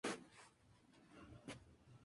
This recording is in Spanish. Con Kent